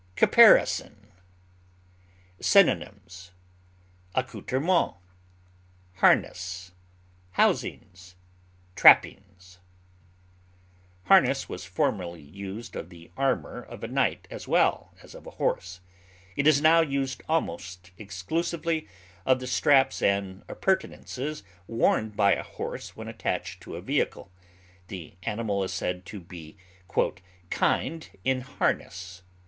CAPARISON. Synonyms: accouterments, harness, housings, trappings. Harness was formerly used of the armor of a knight as well as of a horse; it is now used almost exclusively of the straps and appurtenances worn by a horse when attached to a vehicle; the animal is said to be "kind in harness."